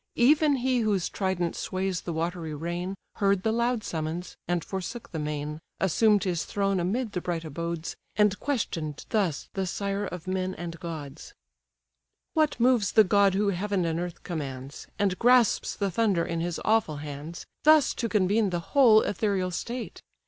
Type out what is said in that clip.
Even he whose trident sways the watery reign Heard the loud summons, and forsook the main, Assumed his throne amid the bright abodes, And question'd thus the sire of men and gods: "What moves the god who heaven and earth commands, And grasps the thunder in his awful hands, Thus to convene the whole ethereal state?